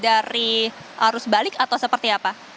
dari arus balik atau seperti apa